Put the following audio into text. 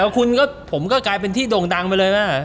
คุณก็ผมก็กลายเป็นที่โด่งดังไปเลยแม่